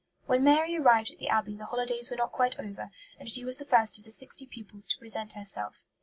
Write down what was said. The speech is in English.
When Mary arrived at the Abbey the holidays were not quite over, and she was the first of the sixty pupils to present herself.